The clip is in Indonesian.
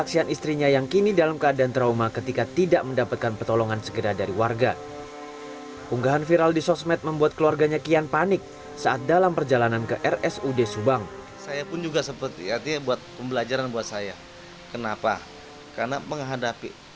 kini kasus kecelakaan maut masih di tangan nepalres subang dan baru menetapkan sopirnya menjadi tersangka